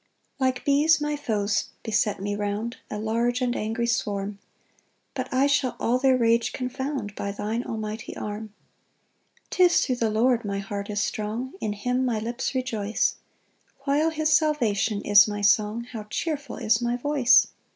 3 Like bees my foes beset me round, A large and angry swarm; But I shall all their rage confound By thine almighty arm. 4 'Tis thro' the Lord my heart is strong, In him my lips rejoice; While his salvation is my song, How cheerful is my voice!